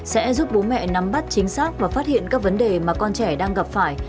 sẽ giúp bố mẹ nắm bắt chính xác và phát hiện các vấn đề mà con trẻ đang gặp phải